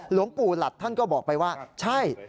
หลวงปู่หลัดท่านก็บอกไปว่าใช่